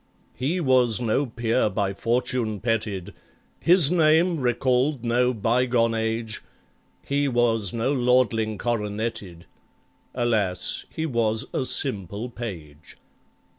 He was no peer by Fortune petted, His name recalled no bygone age; He was no lordling coronetted— Alas! he was a simple page!